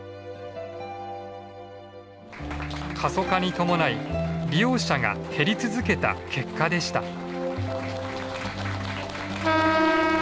過疎化に伴い利用者が減り続けた結果でした。